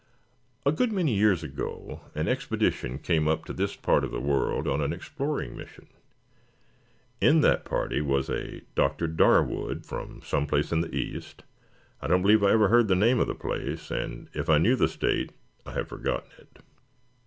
A good many years ago an expedition came up to this part of the world on an exploring mission. In that party was a Dr. Darwood from some place in the East. I don't believe I ever heard the name of the place, and if I knew the state I have forgotten it.